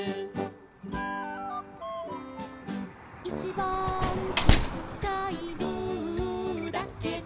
「いちばんちっちゃい」「ルーだけど」